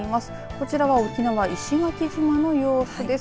こちらは沖縄・石垣島の様子です。